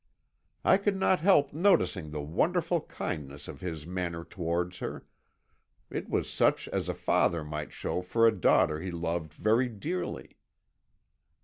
"I could not help noticing the wonderful kindness of his manner towards her; it was such as a father might show for a daughter he loved very dearly.